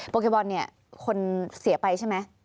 เกบอลเนี่ยคนเสียไปใช่ไหม